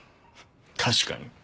確かに。